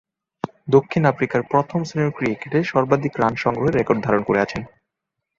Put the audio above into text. দক্ষিণ আফ্রিকার প্রথম-শ্রেণীর ক্রিকেটে সর্বাধিক রান সংগ্রহের রেকর্ড ধারণ করে আছেন।